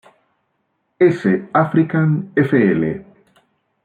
S. African Fl.